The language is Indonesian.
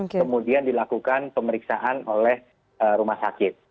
kemudian dilakukan pemeriksaan oleh rumah sakit